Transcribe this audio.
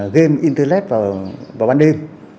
game internet vào ban đêm